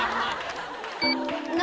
何？